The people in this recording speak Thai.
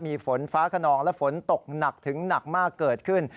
มีฝนฟ้าขนองและฝนตกหนักถึงหนักมากเกิดขึ้น